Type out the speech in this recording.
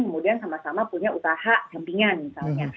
kemudian sama sama punya usaha sampingan misalnya